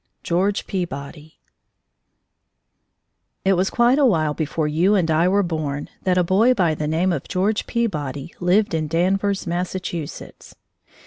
GEORGE PEABODY It was quite a while before you and I were born that a boy by the name of George Peabody lived in Danvers, Massachusetts.